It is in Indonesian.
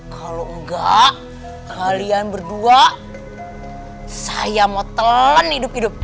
kalau enggak kalian berdua saya mau telan hidup hidup